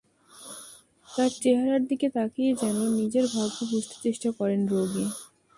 তাঁর চেহারার দিকে তাকিয়ে যেন নিজের ভাগ্য বুঝতে চেষ্টা করেন রোগী।